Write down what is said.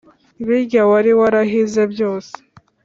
birya wari warahize byose